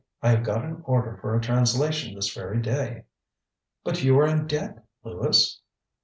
I have got an order for a translation this very day. ŌĆØ ŌĆ£But you are in debt, Lewis?